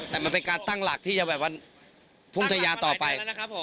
แต่มันเป็นการตั้งหลักที่จะแบบว่าพุ่งทะยาต่อไป